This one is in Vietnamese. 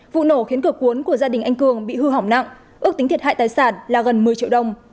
vụ nổ khiến cửa cuốn của gia đình anh cường bị hư hỏng nặng ước tính thiệt hại tài sản là gần một mươi triệu đồng